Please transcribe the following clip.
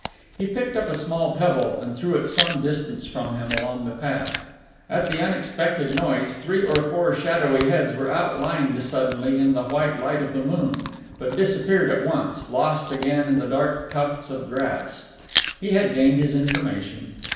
He picked up a small pebble and threw it some distance from him along the path. At the unexpected noise three or four shadowy heads were outlined suddenly in the white light of the moon, but disappeared at once, lost again in the dark tufts of grass. He had gained his information.